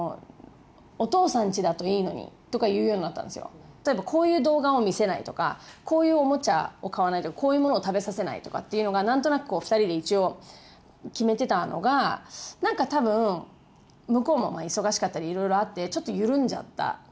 最近例えばこういう動画を見せないとかこういうオモチャを買わないとかこういうものを食べさせないとかいうのが何となく二人で一応決めてたのがなんか多分向こうも忙しかったりいろいろあってちょっと緩んじゃった時があって。